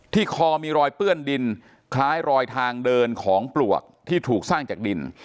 คอมีรอยเปื้อนดินคล้ายรอยทางเดินของปลวกที่ถูกสร้างจากดิน